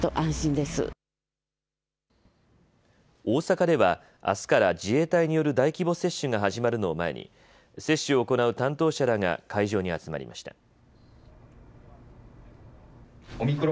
大阪では、あすから自衛隊による大規模接種が始まるのを前に接種を行う担当者らが会場に集まりました。